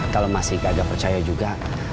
kalau masih gak ada percaya juga